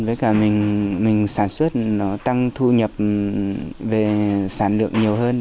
với cả mình sản xuất nó tăng thu nhập về sản lượng nhiều hơn